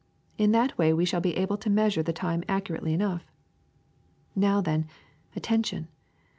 In that way we shall be able to measure the time accurately enough. ^^Now, then, attention!